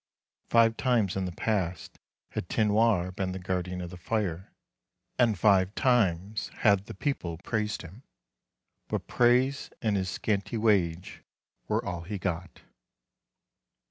Five times in the past had Tinoir been the Guardian of the Fire, and five times had the people praised him ; but praise and his scanty wage were all he got.